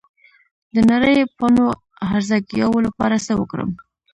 د نرۍ پاڼو هرزه ګیاوو لپاره څه وکړم؟